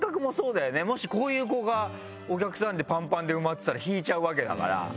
もしこういう子がお客さんでパンパンで埋まってたら引いちゃうわけだから。